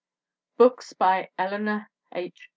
BOOKS BY ELEANOR H.